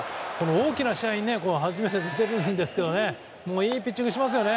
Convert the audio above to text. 大きな試合に出てくるんですけどいいピッチングをしますよね。